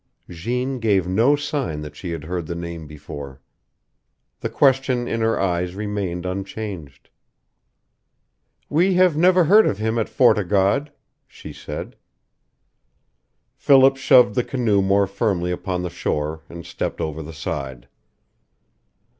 Jeanne gave no sign that she had heard the name before. The question in her eyes remained unchanged. "We have never heard of him at Fort o' God," she said. Philip shoved the canoe more firmly upon the shore and stepped over the side.